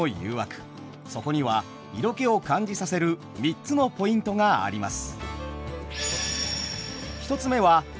そこには色気を感じさせる３つのポイントがあります。